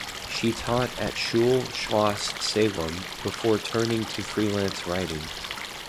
She taught at Schule Schloss Salem before turning to freelance writing.